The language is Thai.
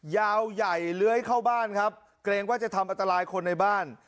ยาวใหญ่เลื้อยเข้าบ้านครับเกรงว่าจะทำอันตรายคนในบ้าน